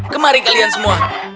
kemari kalian semua